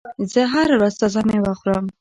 زه هره ورځ تازه میوه خورم.